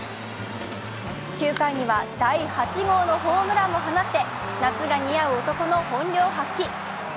９回には第８号のホームランも放って夏が似合う男の本領発揮。